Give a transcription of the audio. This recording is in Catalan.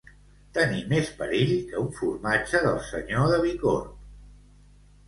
Tenir més perill que un formatge del senyor de Bicorb.